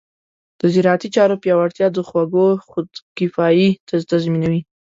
د زراعتي چارو پیاوړتیا د خوړو خودکفایي تضمینوي.